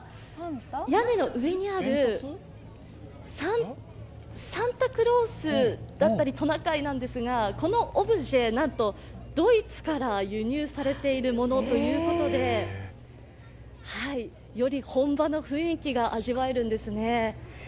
屋根の上にあるサンタクロースだったりトナカイなんですが、このオブジェ、なんとドイツから輸入されているものということでより本場の雰囲気が味わえるんですね。